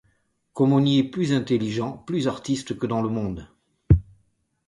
Comme on y est plus intelligent, plus artiste que dans le monde !